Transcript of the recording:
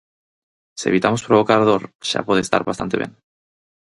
Se evitamos provocar dor xa pode estar bastante ben.